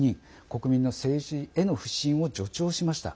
国民の政治への不信を助長しました。